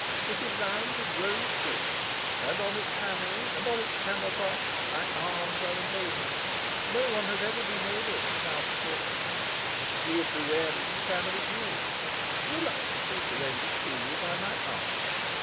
It is lined with rose silk; and on its panels, and on its hammer cloth, my arms are emblazoned no one has ever been able to count the quarterings. You would be wearing the family jewels, reluctantly surrendered to you by my aunt.